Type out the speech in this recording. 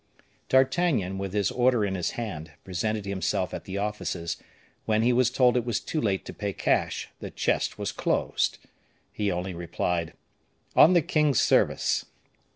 D'Artagnan, with his order in his hand, presented himself at the offices, when he was told it was too late to pay cash, the chest was closed. He only replied: "On the king's service."